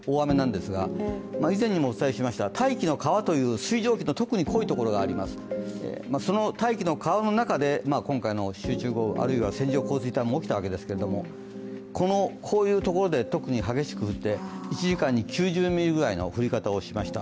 大気の川という水蒸気の特に濃いところがあります、大気の川の中で今回の集中豪雨、あるいは線状降水帯も起きたわけですけれども、特に激しく降って、１時間に９０ミリぐらいの降り方をしました。